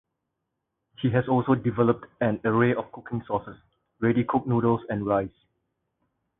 He has also developed an array of cooking sauces, ready cooked noodles and rice.